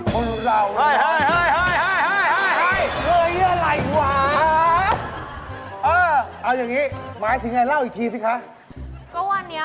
พอดีว่าหนูไปชอบคนนี่